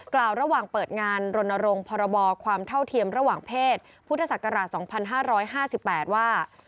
กล่าวระหว่างเปิดงานรณรงค์พรบความเท่าเทียมระหว่างเพศพุทธศักราช๒๕๕๘ว่า